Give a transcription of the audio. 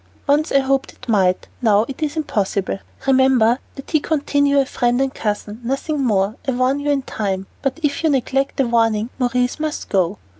Once I hoped it might, now it is impossible; remember that he continue a friend and cousin, nothing more. I warn you in time, but if you neglect the warning, Maurice must go.